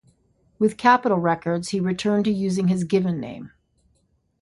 With Capitol Records, he returned to using his given name.